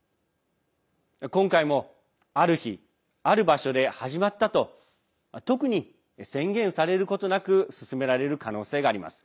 今回もある日、ある場所で始まったと特に宣言されることなく進められる可能性があります。